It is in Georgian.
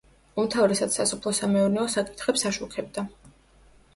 უმთავრესად სასოფლო-სამეურნეო საკითხებს აშუქებდა.